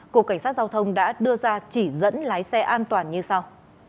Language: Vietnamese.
cục cảnh sát giao thông đã đưa ra chỉ dẫn lái xe an toàn như sau